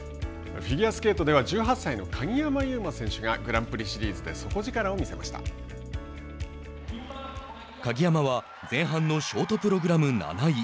フィギュアスケートでは１８歳の鍵山優真選手がグランプリシリーズで鍵山は前半のショートプログラム７位。